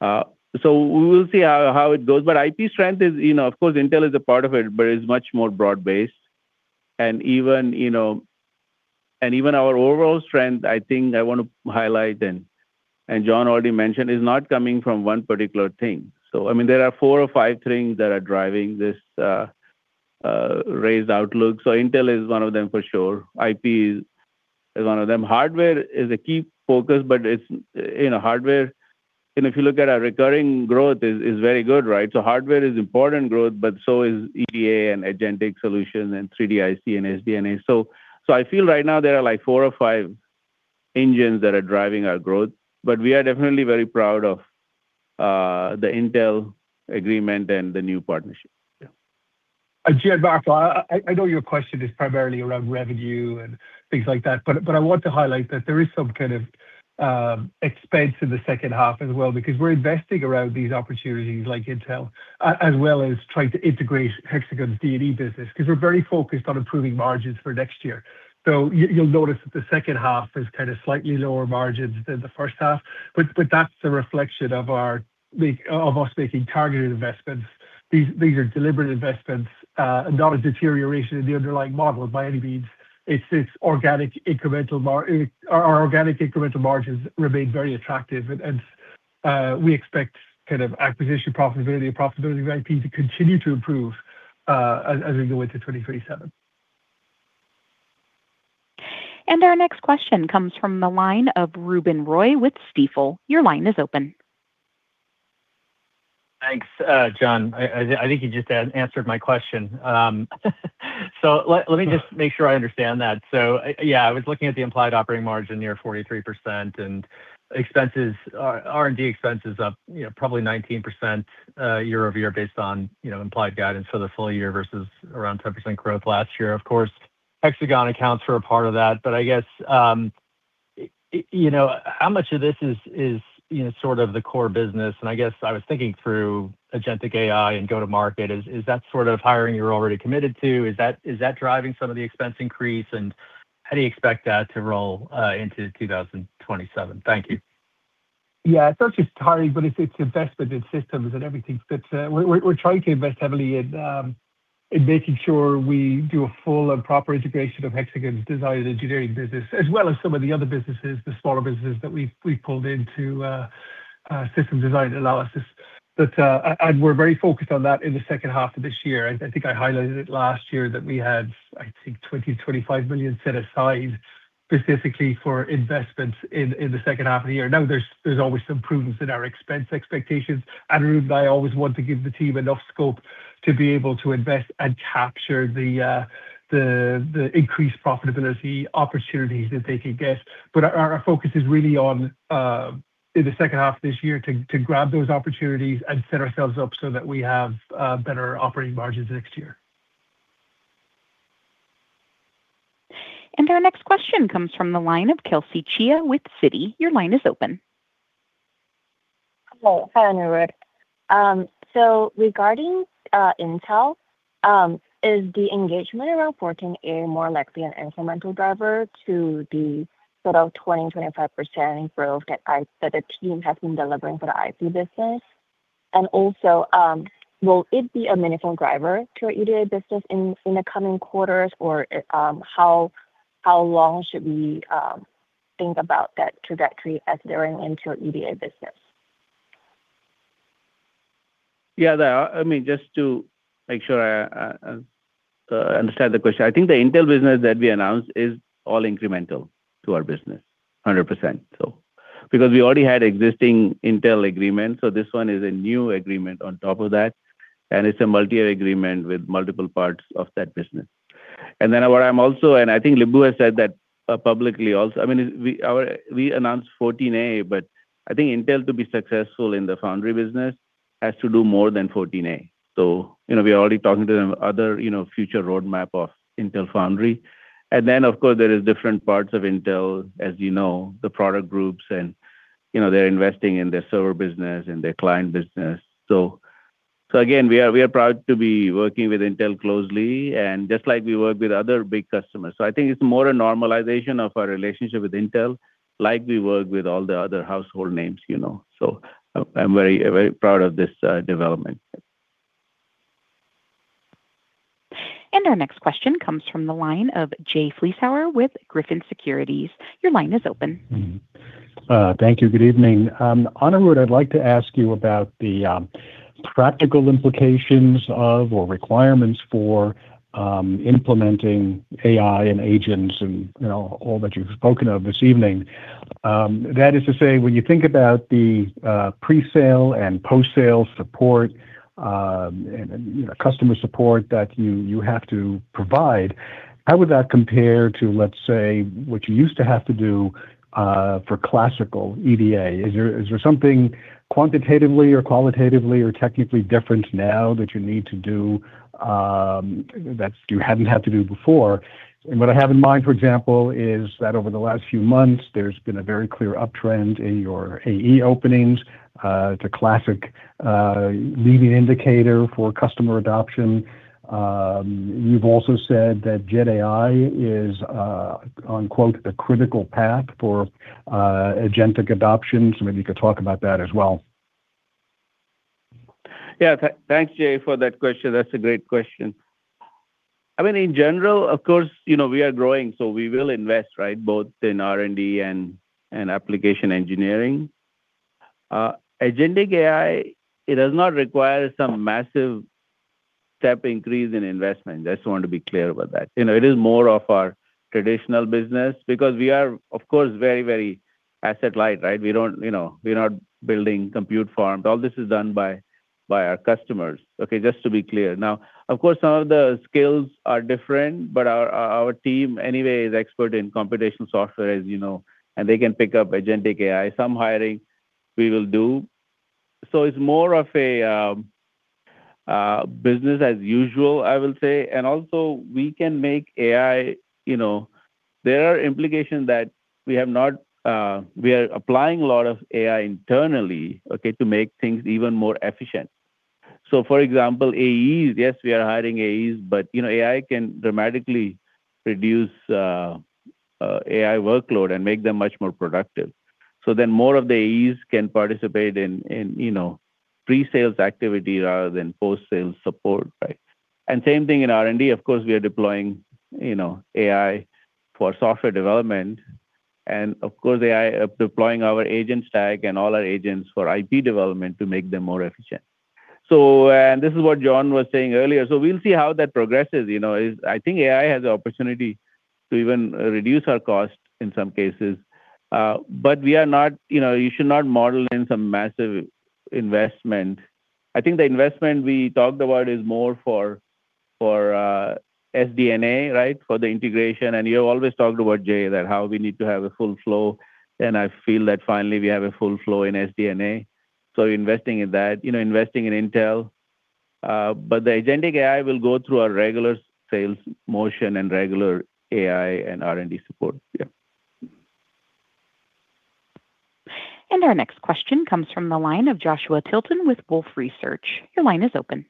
We will see how it goes. IP strength is, of course, Intel is a part of it, but it's much more broad-based. Even our overall strength, I think I want to highlight and John already mentioned, is not coming from one particular thing. There are four or five things that are driving this raised outlook. Intel is one of them for sure. IP is one of them. Hardware is a key focus, but hardware, and if you look at our recurring growth is very good, right? Hardware is important growth, but so is EDA and agentic solutions and 3D IC and SDA. I feel right now there are four or five engines that are driving our growth, but we are definitely very proud of the Intel agreement and the new partnership. Gianmarco, I know your question is primarily around revenue and things like that, but I want to highlight that there is some kind of expense in the second half as well, because we're investing around these opportunities like Intel, as well as trying to integrate Hexagon's D&E business, because we're very focused on improving margins for next year. You'll notice that the second half is slightly lower margins than the first half, but that's a reflection of us making targeted investments. These are deliberate investments, and not a deterioration in the underlying model by any means. Our organic incremental margins remain very attractive and We expect acquisition profitability and profitability of IP to continue to improve as we go into 2027. Our next question comes from the line of Ruben Roy with Stifel. Your line is open. Thanks, John. I think you just answered my question. Let me just make sure I understand that. Yeah, I was looking at the implied operating margin near 43% and R&D expenses up probably 19% year-over-year based on implied guidance for the full year versus around 10% growth last year. Of course, Hexagon accounts for a part of that. I guess, how much of this is sort of the core business, and I guess I was thinking through agentic AI and go to market is that sort of hiring you're already committed to. Is that driving some of the expense increase, and how do you expect that to roll into 2027? Thank you. Yeah, it's not just hiring, but it's investment in systems and everything. We're trying to invest heavily in making sure we do a full and proper integration of Hexagon's design and engineering business, as well as some of the other businesses, the smaller businesses that we've pulled into systems design analysis. We're very focused on that in the second half of this year. I think I highlighted it last year that we had, I think, $20 to 25 million set aside specifically for investments in the second half of the year. Now, there's always some prudence in our expense expectations. Ruben, I always want to give the team enough scope to be able to invest and capture the increased profitability opportunities that they could get. Our focus is really on, in the second half of this year, to grab those opportunities and set ourselves up so that we have better operating margins next year. Our next question comes from the line of Kelsey Chia with Citigroup. Your line is open. Hello. Hi, Anirudh. Regarding Intel, is the engagement around 14A more likely an incremental driver to the sort of 20% to 25% growth that the team has been delivering for the IP business? Also, will it be a meaningful driver to our EDA business in the coming quarters or how long should we think about that trajectory as they're into EDA business? I mean, just to make sure I understand the question. I think the Intel business that we announced is all incremental to our business, 100%. We already had existing Intel agreement, this one is a new agreement on top of that, and it's a multi-year agreement with multiple parts of that business. What I'm also, and I think Lip-Bu has said that publicly also, I mean, we announced 14A, I think Intel to be successful in the foundry business has to do more than 14A. We are already talking to them other future roadmap of Intel Foundry. Of course, there is different parts of Intel, as you know, the product groups and they're investing in their server business and their client business. Again, we are proud to be working with Intel closely, just like we work with other big customers. I think it's more a normalization of our relationship with Intel, like we work with all the other household names. I'm very proud of this development. Our next question comes from the line of Jay Vleeschhouwer with Griffin Securities. Your line is open. Thank you. Good evening. Anirudh, I'd like to ask you about the practical implications of, or requirements for, implementing AI and agents and all that you've spoken of this evening. That is to say, when you think about the pre-sale and post-sale support, and customer support that you have to provide, how would that compare to, let's say, what you used to have to do for classical EDA? Is there something quantitatively or qualitatively or technically different now that you need to do that you hadn't had to do before? What I have in mind, for example, is that over the last few months, there's been a very clear uptrend in your AE openings. It's a classic leading indicator for customer adoption. You've also said that GenAI is on quote, "the critical path for agentic adoption." Maybe you could talk about that as well. Yeah. Thanks, Jay, for that question. That's a great question. I mean, in general, of course, we are growing, we will invest, right, both in R&D and application engineering. Agentic AI, it does not require some massive step increase in investment. I just want to be clear about that. It is more of our traditional business because we are, of course, very asset light, right? We're not building compute farms. All this is done by our customers. Okay? Just to be clear. Now, of course, some of the skills are different, our team anyway is expert in computation software as you know, they can pick up agentic AI. Some hiring we will do. It's more of a business as usual, I will say. Also we can make AI, there are implications that we are applying a lot of AI internally, okay, to make things even more efficient. For example, AEs, yes, we are hiring AEs, AI can dramatically reduce AI workload and make them much more productive. More of the AEs can participate in pre-sales activity rather than post-sales support, right? Same thing in R&D. Of course, we are deploying AI for software development, and of course, AI deploying our agent stack and all our agents for IP development to make them more efficient. This is what John was saying earlier, so we'll see how that progresses. I think AI has the opportunity to even reduce our cost in some cases. You should not model in some massive investment. I think the investment we talked about is more for SDA, for the integration. You always talked about, Jay, that how we need to have a full flow, and I feel that finally we have a full flow in SDA, so investing in that, investing in Intel. The agentic AI will go through our regular sales motion and regular AI and R&D support. Yeah. Our next question comes from the line of Joshua Tilton with Wolfe Research. Your line is open.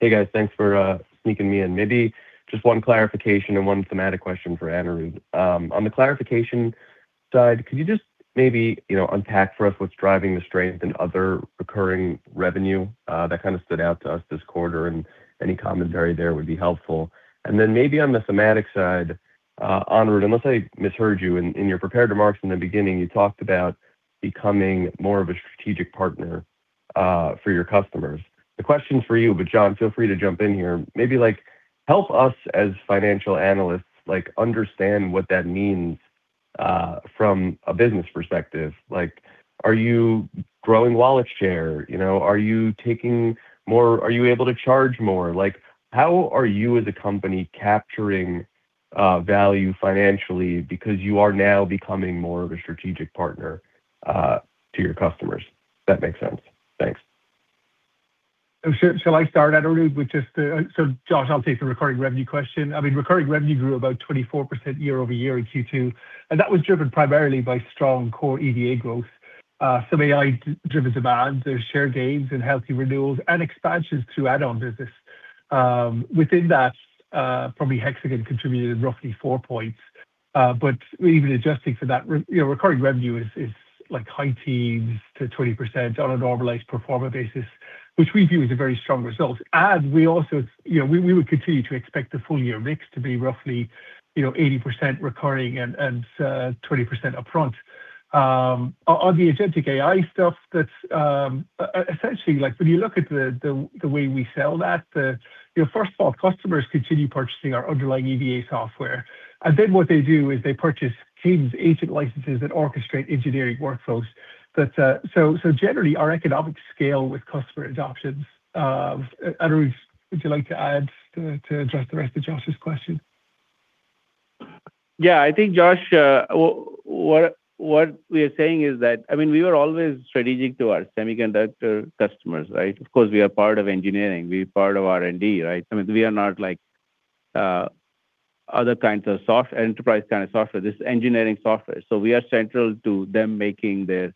Hey, guys. Thanks for sneaking me in. Maybe just one clarification and one thematic question for Anirudh. On the clarification side, could you just maybe unpack for us what's driving the strength in other recurring revenue? That stood out to us this quarter, and any commentary there would be helpful. Maybe on the thematic side, Anirudh, unless I misheard you, in your prepared remarks in the beginning, you talked about becoming more of a strategic partner for your customers. The question's for you, but John, feel free to jump in here. Maybe help us as financial analysts understand what that means from a business perspective. Are you growing wallet share? Are you able to charge more? How are you, as a company, capturing value financially because you are now becoming more of a strategic partner to your customers? If that makes sense. Thanks. Shall I start, Anirudh? Josh, I'll take the recurring revenue question. Recurring revenue grew about 24% year-over-year in Q2, that was driven primarily by strong core EDA growth. Some AI-driven demand, there's share gains and healthy renewals, and expansions through add-on business. Within that, probably Hexagon contributed roughly four points. Even adjusting for that, recurring revenue is high teens to 20% on a normalized pro forma basis, which we view as a very strong result. We would continue to expect the full-year mix to be roughly 80% recurring and 20% upfront. On the agentic AI stuff, essentially, when you look at the way we sell that, first of all, customers continue purchasing our underlying EDA software. What they do is they purchase Cadence agent licenses that orchestrate engineering workflows. Generally, our economics scale with customer adoptions. Anirudh, would you like to add to address the rest of Josh's question? Josh, what we are saying is that we were always strategic to our semiconductor customers, right? Of course, we are part of engineering. We're part of R&D, right? We are not like other enterprise kind of software. This is engineering software, we are central to them making their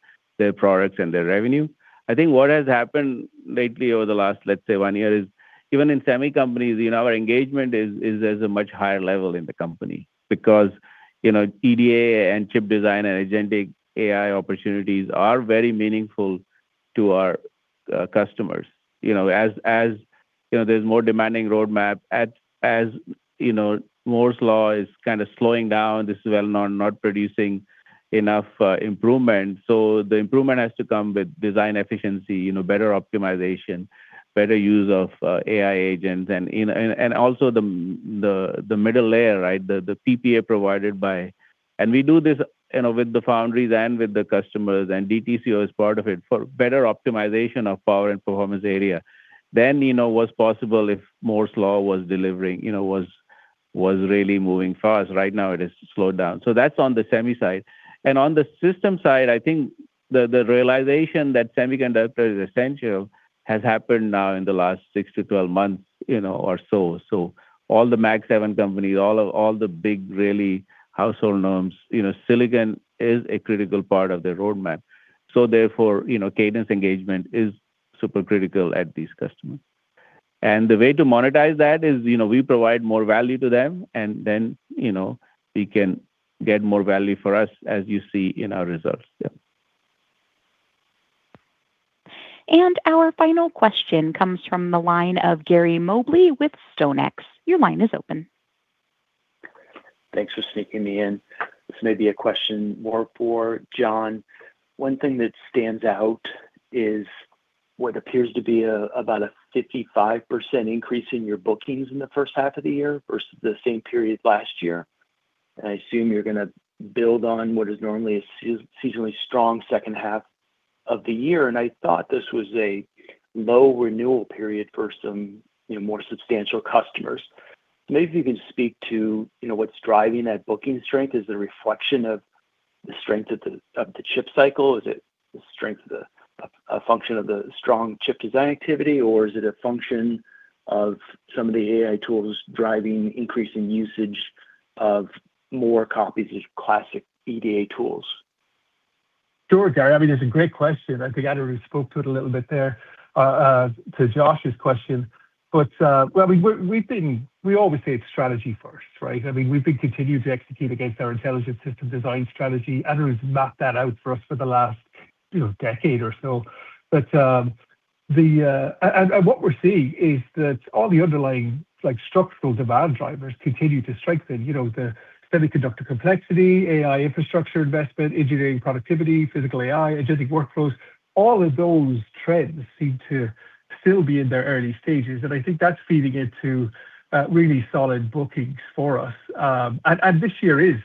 products and their revenue. What has happened lately over the last, let's say, one year is even in semi companies, our engagement is at a much higher level in the company because EDA and chip design and agentic AI opportunities are very meaningful to our customers. As there's more demanding roadmap, as Moore's law is kind of slowing down. This is well known, not producing enough improvement. The improvement has to come with design efficiency, better optimization, better use of AI agents, and also the middle layer, right? The PPA provided by. We do this with the foundries and with the customers, DTCO is part of it, for better optimization of power and performance area than was possible if Moore's law was really moving fast. Right now, it has slowed down. That's on the semi side. On the system side, the realization that semiconductor is essential has happened now in the last 6 to 12 months or so. All the Magnificent 7 companies, all the big, really household names, silicon is a critical part of their roadmap. Cadence engagement is super critical at these customers. The way to monetize that is we provide more value to them, we can get more value for us, as you see in our results. Our final question comes from the line of Gary Mobley with StoneX. Your line is open. Thanks for sneaking me in. This may be a question more for John. One thing that stands out is what appears to be about a 55% increase in your bookings in the first half of the year versus the same period last year. I assume you're going to build on what is normally a seasonally strong second half of the year, and I thought this was a low renewal period for some more substantial customers. Maybe if you can speak to what's driving that booking strength. Is it a reflection of the strength of the chip cycle? Is the strength a function of the strong chip design activity, or is it a function of some of the AI tools driving increasing usage of more copies of classic EDA tools? Sure, Gary. That's a great question. I think Anirudh spoke to it a little bit there to Josh's question. We always say it's strategy first, right? We've been continuing to execute against our intelligent system design strategy. Anirudh's mapped that out for us for the last decade or so. What we're seeing is that all the underlying structural demand drivers continue to strengthen. The semiconductor complexity, AI infrastructure investment, engineering productivity, physical AI, agentic workflows, all of those trends seem to still be in their early stages, and I think that's feeding into really solid bookings for us. This year is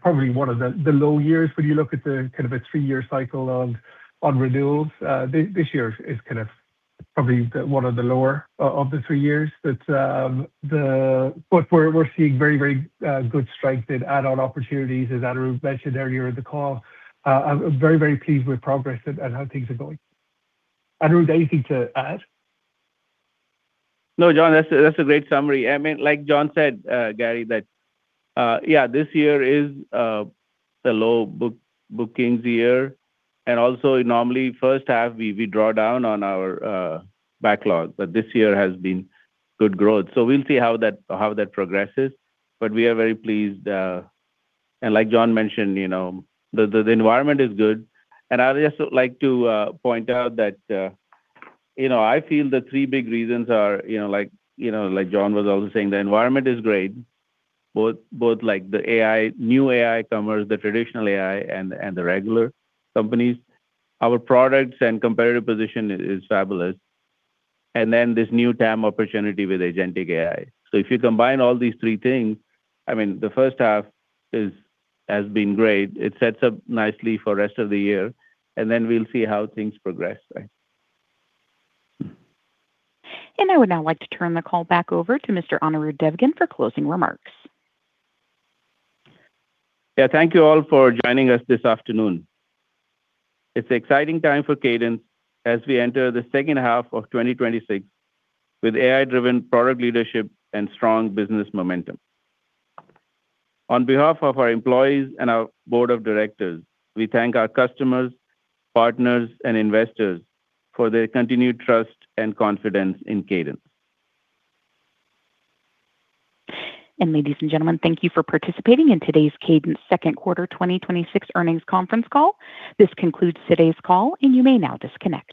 probably one of the low years when you look at the three-year cycle on renewals. This year is probably one of the lower of the three years. We're seeing very good strength in add-on opportunities, as Anirudh mentioned earlier in the call. I'm very pleased with progress and how things are going. Anirudh, anything to add? John, that's a great summary. John said, Gary, that this year is the low bookings year, also normally first half, we draw down on our backlog. This year has been good growth. We'll see how that progresses, but we are very pleased. John mentioned, the environment is good. I'd just like to point out that I feel the three big reasons are, John was also saying, the environment is great, both the new AI comers, the traditional AI, and the regular companies. Our products and competitive position is fabulous. This new TAM opportunity with agentic AI. If you combine all these three things, the first half has been great. It sets up nicely for rest of the year, we'll see how things progress. I would now like to turn the call back over to Mr. Anirudh Devgan for closing remarks. Thank you all for joining us this afternoon. It's an exciting time for Cadence as we enter the second half of 2026 with AI-driven product leadership and strong business momentum. On behalf of our employees and our board of directors, we thank our customers, partners, and investors for their continued trust and confidence in Cadence. Ladies and gentlemen, thank you for participating in today's Cadence second quarter 2026 earnings conference call. This concludes today's call. You may now disconnect.